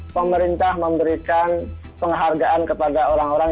pemerintah memberikan penghargaan kepada orang orang